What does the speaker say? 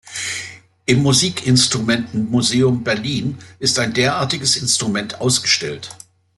Im Musikinstrumenten-Museum Berlin ist ein derartiges Instrument ausgestellt.